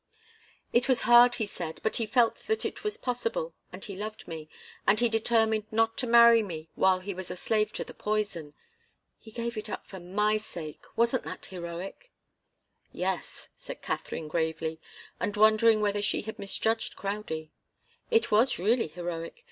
It was hard, he said, but he felt that it was possible, and he loved me, and he determined not to marry me while he was a slave to the poison. He gave it up for my sake. Wasn't that heroic?" "Yes," said Katharine, gravely, and wondering whether she had misjudged Crowdie. "It was really heroic.